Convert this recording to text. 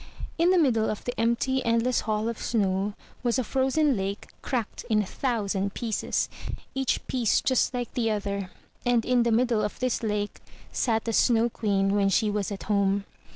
In the middle of the empty, endless hall of snow was a frozen lake cracked in a thousand pieces, each piece just like the other, and in the middle of this lake sat the Snow Queen when she was at home.